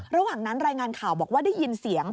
ระหว่างนั้นรายงานข่าวบอกว่าได้ยินเสียง